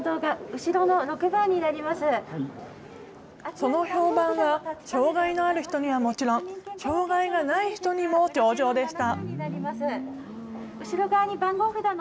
その評判は、障害のある人にはもちろん、障害がない人にも上々でした。